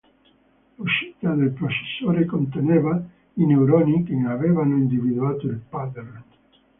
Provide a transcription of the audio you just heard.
L'uscita del processore conteneva i neuroni che avevano individuato il pattern.